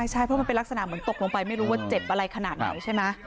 ใช่เพราะมันเป็นลักษณะเหมือนตกลงไปไม่รู้ว่าเจ็บอะไรขนาดไหนใช่ไหม